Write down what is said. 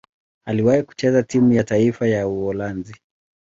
Aliwahi kucheza timu ya taifa ya Uholanzi.